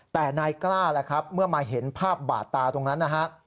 แต่นายกล้าแหละครับเมื่อมาเห็นภาพบาดตาตรงนั้นนะฮะ